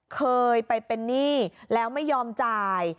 เคยไปเป็นหนี้แล้วไม่ยอมจ่าย